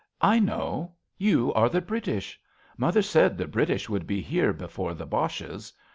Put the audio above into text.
I know. You are the British. Mother said The British would be here before the Boches.